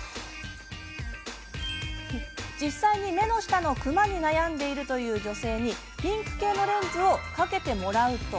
実際に目の下のくまに悩んでいるという女性にピンク系のレンズをかけてもらうと。